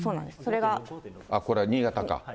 これは新潟か。